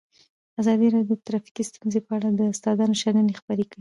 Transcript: ازادي راډیو د ټرافیکي ستونزې په اړه د استادانو شننې خپرې کړي.